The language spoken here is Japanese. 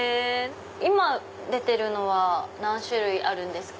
今出てるのは何種類ですか？